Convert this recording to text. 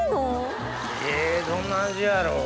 えどんな味やろ？